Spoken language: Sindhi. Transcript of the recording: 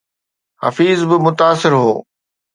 حفيظ به متاثر هو